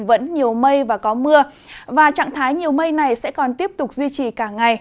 vẫn nhiều mây và có mưa và trạng thái nhiều mây này sẽ còn tiếp tục duy trì cả ngày